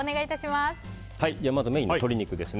まずメインの鶏肉です。